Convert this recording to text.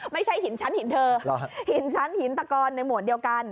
ไม่ใช่หินชั้นหินเธอหินชั้นหินตะกอนในหมวดเดียวกัน